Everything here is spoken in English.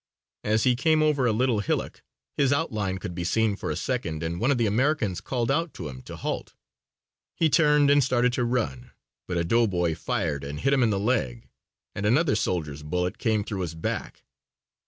As he came over a little hillock his outline could be seen for a second and one of the Americans called out to him to halt. He turned and started to run, but a doughboy fired and hit him in the leg and another soldier's bullet came through his back.